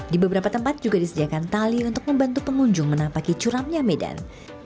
di beberapa tempat juga disediakan tali untuk membantu pengunjung menapaki curamnya medan